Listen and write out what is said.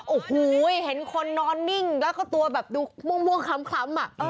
โอ้โหเห็นคนนอนนิ่งแล้วก็ตัวแบบดูม่วงคล้ำ